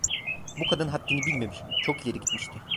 Bu kadın haddini bilmemiş, çok ileri gitmişti.